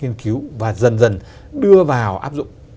kiên cứu và dần dần đưa vào áp dụng